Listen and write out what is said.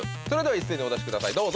それでは一斉にお出しください